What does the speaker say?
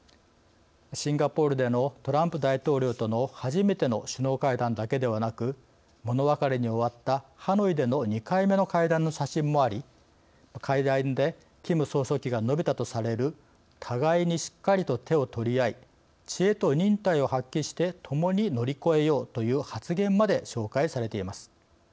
シンガポールでのトランプ大統領との初めての首脳会談だけではなく物別れに終わったハノイでの２回目の会談の写真もあり会談でキム総書記が述べたとされる「互いにしっかりと手を取り合い知恵と忍耐を発揮して共に乗り越えよう」という発言まで紹介されています。